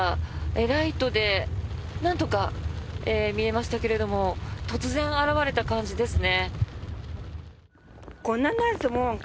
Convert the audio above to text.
ライトでなんとか見えましたけれども突然現れた感じですね。